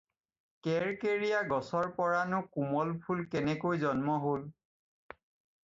কেৰকেৰীয়া গছৰ পৰা নো কোমল ফুলৰ কেনেকৈ জন্ম হ'ল?